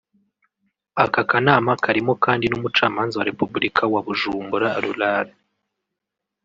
Aka kanama karimo kandi n’umucamanza wa Repubulika wa Bujumbura Rural